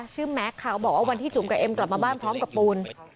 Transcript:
แม็กซ์ค่ะก็บอกว่าวันที่จุ๋มกับเอ็มกลับมาบ้านพร้อมกับปูน